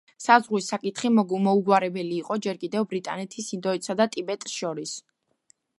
საზღვრის საკითხი მოუგვარებელი იყო ჯერ კიდევ ბრიტანეთის ინდოეთსა და ტიბეტს შორის.